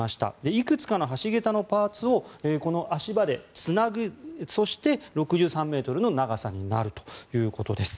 いくつかの橋桁のパーツをこの足場でつなぐそして、６３ｍの長さになるということです。